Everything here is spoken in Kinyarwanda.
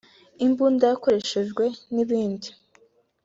imbunda yakoresheje n’ibindi…)